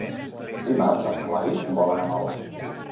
Dimarts en Blai vol anar a Maó.